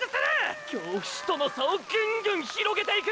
京伏との差をぐんぐんひろげていく！！